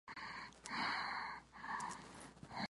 En agosto del mismo año su primer hijo había nacido.